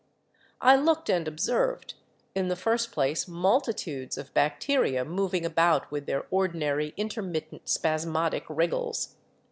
I looked and observed, in the first place multitudes of 'Bacteria* moving about with their ordinary intermittent spasmodic wriggles.